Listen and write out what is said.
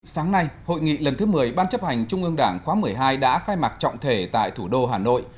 sáng nay hội nghị lần thứ một mươi ban chấp hành trung ương đảng khóa một mươi hai đã khai mạc trọng thể tại thủ đô hà nội